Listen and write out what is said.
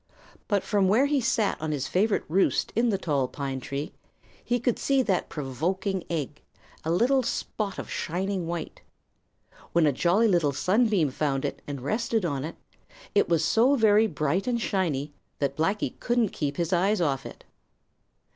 But from where he sat on his favorite roost in the tall pine tree he could see that provoking egg, a little spot of shining white. When a Jolly Little Sunbeam found it and rested on it, it was so very bright and shiny that Blacky couldn't keep his eyes off it.